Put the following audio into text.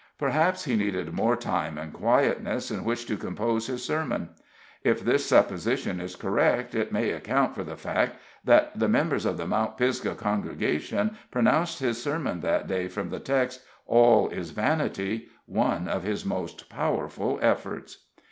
Perhaps he needed more time and quietness in which to compose his sermon. If this supposition is correct, it may account for the fact that the members of the Mount Pisgah congregation pronounced his sermon that day, from the text, "All is vanity," one of his most powerful efforts.